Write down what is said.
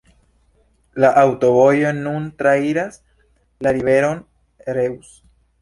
La aŭtovojo nun trairas la riveron Reuss.